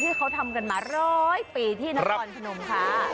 ที่เขาทำกันมาร้อยปีที่นครพนมค่ะ